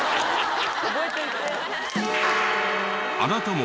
覚えといて。